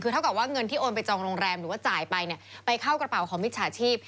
คือเท่ากับว่าเงินที่โอนไปจองโรงแรมหรือว่าจ่ายไปไปเข้ากระเป๋าของมิจฉาชีพ